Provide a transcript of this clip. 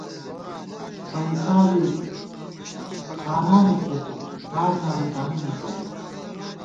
پَئیسابی خانانےکھېتون، لاٹ نامہ دامی نِݭوت